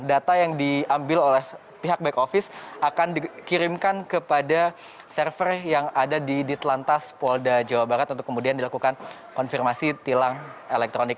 data yang diambil oleh pihak back office akan dikirimkan kepada server yang ada di ditelantas polda jawa barat untuk kemudian dilakukan konfirmasi tilang elektronik